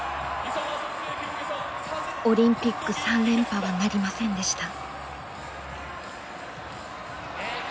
オリンピック３連覇はなりませんでした。